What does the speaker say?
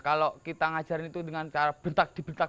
kalau kita ngajarin itu dengan cara bentak di bentak